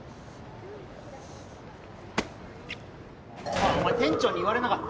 おいお前店長に言われなかった？